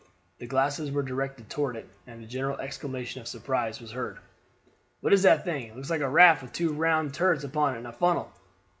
The glasses were directed toward it, and a general exclamation of surprise was heard. "What is the thing? It looks like a raft with two round turrets upon it, and a funnel."